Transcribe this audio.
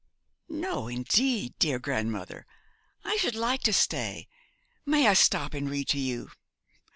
'No, indeed, dear grandmother, I should like to stay. May I stop and read to you?'